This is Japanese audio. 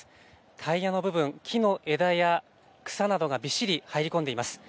タイヤの部分、木の枝や草などがびっしり、入り込んでいます。